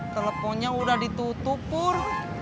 teleponnya udah ditutup pur